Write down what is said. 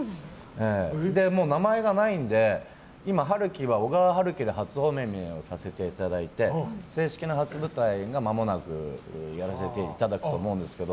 もう名前がないので今、陽喜は小川陽喜で初お目見えさせていただいて正式な初舞台がまもなくやらせていただくと思うんですけど。